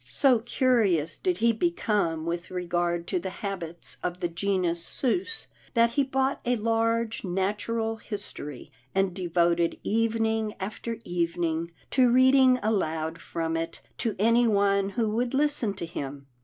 So curious did he be come with regard to the habits of the genus sus, that he bought a large natural history, and de voted evening after evening to reading aloud from it, to anyone who would listen to him.